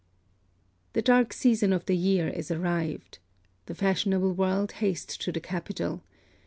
The dark season of the year is arrived. The fashionable world haste to the capital.